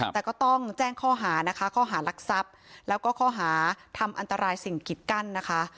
แต่ก็ต้องแจ้งข้อหานะคะข้อหารักทรัพย์แล้วก็ข้อหาทำอันตรายสิ่งกิดกั้นนะคะ